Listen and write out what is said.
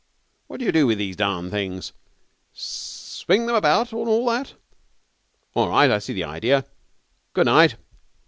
'What do you do with these darned things? Swing them about and all that? All right, I see the idea. Good night.'